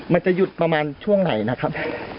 มันจะหยุดประมาณช่วงไหนนะครับ